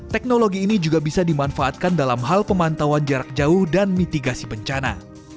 teknologi ini juga bisa dimanfaatkan dalam hal pemantauan jarak jauh dan mitigasi bencana